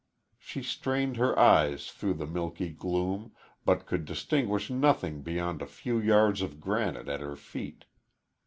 She strained her eyes through the milky gloom, but could distinguish nothing beyond a few yards of granite at her feet.